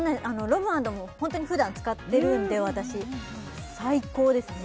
ロムアンドもホントにふだん使ってるんで私最高ですね